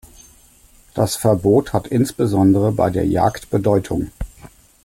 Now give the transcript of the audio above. Das Verbot hat insbesondere bei der Jagd Bedeutung.